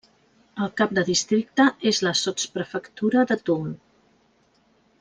El cap de districte és la sotsprefectura de Toul.